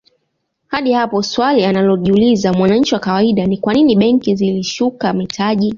Hadi hapo swali analojiuliza mwananchi wa kawaida ni kwanini benki zilishuka mitaji